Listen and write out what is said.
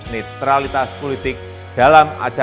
netralitas politik dalam acara